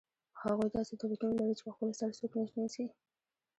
هغوی داسې دولتونه لري چې په خپل سر څوک نه نیسي.